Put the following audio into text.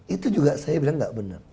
itu juga saya bilang nggak benar